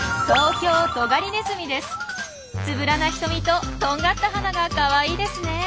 つぶらな瞳ととんがった鼻がかわいいですね。